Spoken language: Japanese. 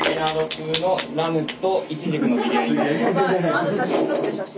まず写真撮って写真。